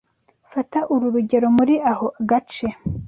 Fata uru rugero muri aho gace